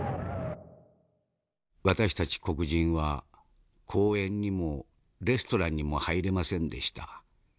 「私たち黒人は公園にもレストランにも入れませんでした。